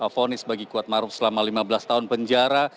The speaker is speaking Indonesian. fonis bagi kuatmaruf selama lima belas tahun penjara